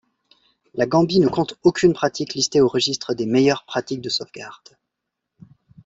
La Gambie ne compte aucune pratique listée au registre des meilleures pratiques de sauvegarde.